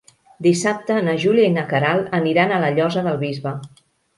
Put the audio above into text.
Dissabte na Júlia i na Queralt aniran a la Llosa del Bisbe.